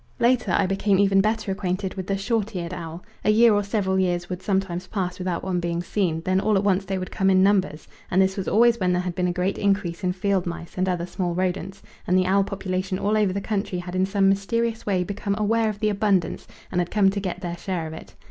Later, I became even better acquainted with the short eared owl. A year or several years would sometimes pass without one being seen, then all at once they would come in numbers, and this was always when there had been a great increase in field mice and other small rodents, and the owl population all over the country had in some mysterious way become aware of the abundance and had come to get their share of it.